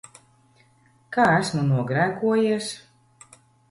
Kā esmu nogrēkojies?